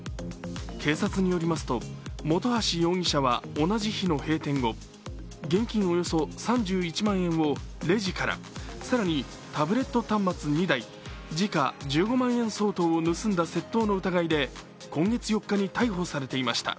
警察によりますと、本橋容疑者は同じ日の閉店後、現金およそ３１万円をレジから更に、タブレット端末２台、時価１５万円相当を盗んだ窃盗の疑いで今月４日に逮捕されていました。